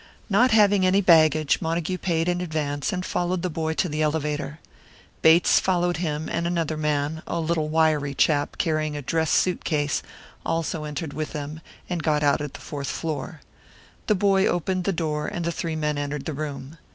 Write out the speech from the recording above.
Not having any baggage, Montague paid in advance, and followed the boy to the elevator. Bates followed him, and another man, a little wiry chap, carrying a dress suit case, also entered with them, and got out at the fourth floor. The boy opened the door, and the three men entered the room.